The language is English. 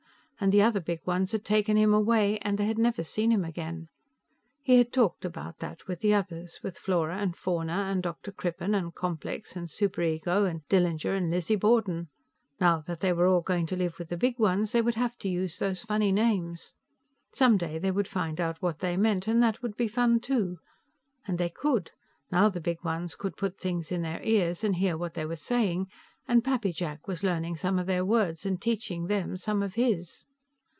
And the other Big Ones had taken him away, and they had never seen him again. He had talked about that with the others with Flora and Fauna, and Dr. Crippen, and Complex, and Superego, and Dillinger and Lizzie Borden. Now that they were all going to live with the Big Ones, they would have to use those funny names. Someday they would find out what they meant, and that would be fun, too. And they could; now the Big Ones could put things in their ears and hear what they were saying, and Pappy Jack was learning some of their words, and teaching them some of his.